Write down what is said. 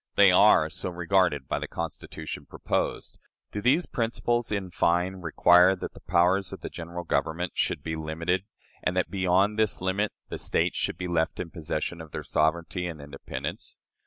They are so regarded by the Constitution proposed.... Do these principles, in fine, require that the powers of the General Government should be limited, and that, beyond this limit, the States should be left in possession of their sovereignty and independence?